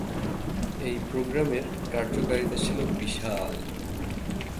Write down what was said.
এই প্রোগ্রামের কার্যকারিতা ছিল বিশাল।